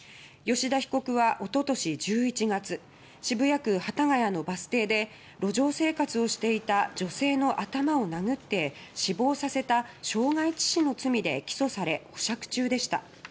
吉田被告は、おととし１１月渋谷区幡ヶ谷のバス停で路上生活をしていた女性の頭を殴って死亡させた傷害致死の罪で起訴され保釈中でした。